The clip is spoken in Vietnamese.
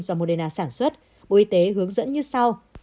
do moderna sản xuất bộ y tế hướng dẫn như sau